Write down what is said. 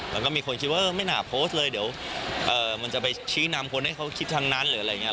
แล้วก็มีคนคิดว่าไม่น่าโพสต์เลยเดี๋ยวมันจะไปชี้นำคนให้เขาคิดทั้งนั้นหรืออะไรอย่างนี้